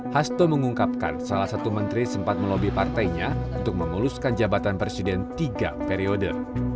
hasto mengungkapkan salah satu menteri sempat melobi partainya untuk memuluskan jabatan presiden tiga periode